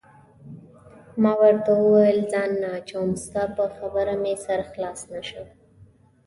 ما ورته وویل: ځان نه اچوم، ستا په خبره مې سر خلاص نه شو.